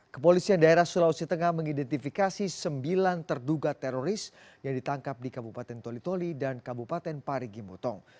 kepolisian daerah sulawesi tengah mengidentifikasi sembilan terduga teroris yang ditangkap di kabupaten toli toli dan kabupaten parigi mutong